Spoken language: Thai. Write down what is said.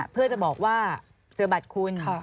เพื่อจะบอกว่าเจอบัตรคุณ